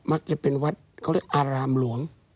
จะเป็นวัดเขาเรียกอารามหลวง